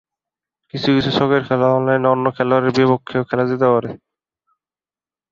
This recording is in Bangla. কিছু কিছু ছকের খেলা অনলাইনে অন্য খেলোয়াড়ের বিপক্ষেও খেলা যেতে পারে।